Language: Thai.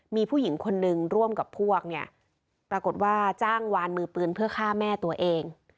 มีผู้หญิงคนนึงร่วมกับพวกเนี่ยปรากฏว่าจ้างวานมือปืนเพื่อฆ่าแม่ตัวเอง